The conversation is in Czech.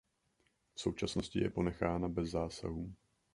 V současnosti je ponechána bez zásahů.